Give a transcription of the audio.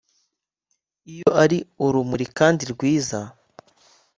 iyo ari urumuri kandi rwiza,